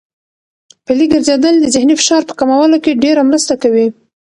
پلي ګرځېدل د ذهني فشار په کمولو کې ډېره مرسته کوي.